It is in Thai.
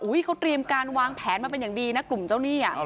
เขาเตรียมการวางแผนมาเป็นอย่างดีนะกลุ่มเจ้าหนี้